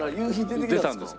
出たんですよ。